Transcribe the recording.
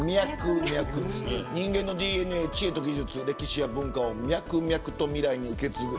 人間のＤＮＡ、知恵と技術歴史や文化をミャクミャクと未来に受け継ぐ。